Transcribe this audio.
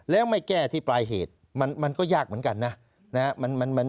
แล้วไม่แก้ที่ปลายเหตุมันก็ยากเหมือนกันนะ